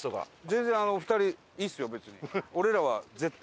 全然お二人いいですよ別に。